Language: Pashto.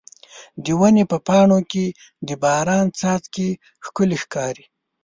د ونې په پاڼو کې د باران څاڅکي ښکلي ښکاري.